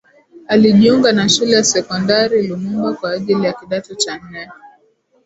Alijiunga na Shule ya Sekondari Lumumba kwa ajili ya Kidato cha Nne